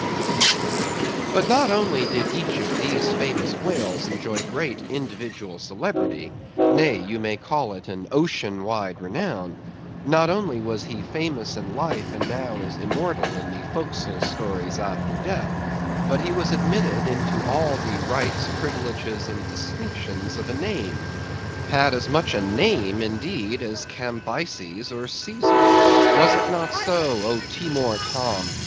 But not only did each of these famous whales enjoy great individual celebrity—Nay, you may call it an ocean wide renown; not only was he famous in life and now is immortal in forecastle stories after death, but he was admitted into all the rights, privileges, and distinctions of a name; had as much a name indeed as Cambyses or Cæsar. Was it not so, O Timor Tom!